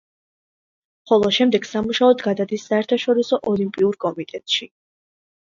ხოლო შემდეგ სამუშაოდ გადადის საერთაშორისო ოლიმპიურ კომიტეტში.